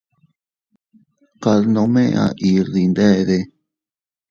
Kad nome ahir dindade.